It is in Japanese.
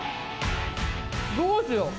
どうしよう。